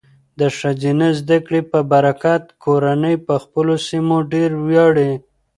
د ښځینه زده کړې په برکت، کورنۍ په خپلو سیمو ډیر ویاړي.